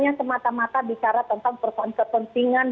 hanya semata mata bicara tentang persoalan kepentingan